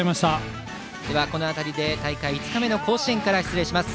この辺りで大会５日目の甲子園から失礼します。